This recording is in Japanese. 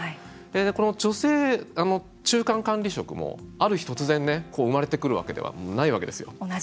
この女性中間管理職もある日、突然生まれてくるわけではないわけですよ。